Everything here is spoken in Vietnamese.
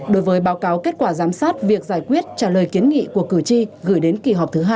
đối với báo cáo kết quả giám sát việc giải quyết trả lời kiến nghị của cử tri gửi đến kỳ họp thứ hai